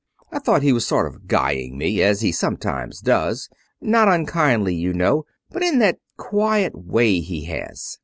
I thought he was sort of guying me, as he sometimes does not unkindly, you know, but in that quiet way he has.